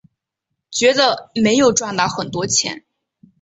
觉得没有赚到很多钱